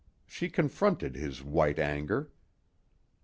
She confronted his white anger.